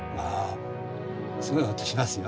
すごい音しますよ。